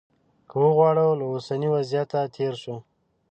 که وغواړو له اوسني وضعیته تېر شو.